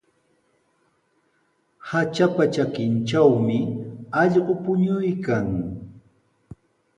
Hatrapa trakintrawmi allqu puñuykan.